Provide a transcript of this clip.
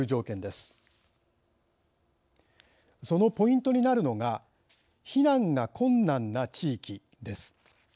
そのポイントになるのが避難が困難な地域です。